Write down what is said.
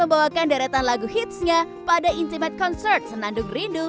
bersama kami akan menunjukan daratan lagu hitsnya pada intimate concert senandung rindu